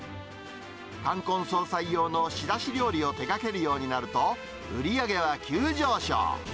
冠婚葬祭用の仕出し料理を手がけるようになると、売り上げは急上昇。